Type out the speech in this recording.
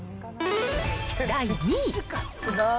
第２位。